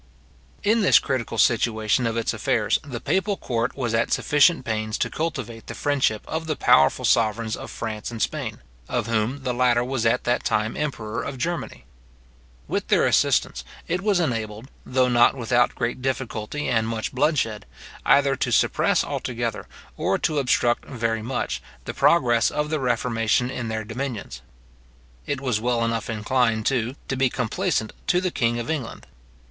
In this critical situation of its affairs the papal court was at sufficient pains to cultivate the friendship of the powerful sovereigns of France and Spain, of whom the latter was at that time emperor of Germany. With their assistance, it was enabled, though not without great difficulty, and much bloodshed, either to suppress altogether, or to obstruct very much, the progress of the reformation in their dominions. It was well enough inclined, too, to be complaisant to the king of England.